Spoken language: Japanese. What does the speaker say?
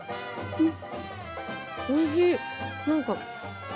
うん！